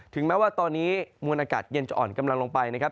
แม้ว่าตอนนี้มวลอากาศเย็นจะอ่อนกำลังลงไปนะครับ